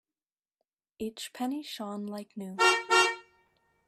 Each penny shone like new.